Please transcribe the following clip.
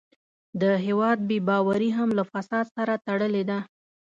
د هېواد بې باوري هم له فساد سره تړلې ده.